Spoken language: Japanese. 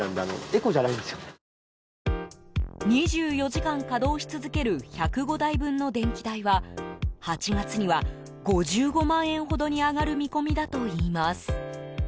２４時間稼働し続ける１０５台分の電気代は８月には、５５万円ほどに上がる見込みだといいます。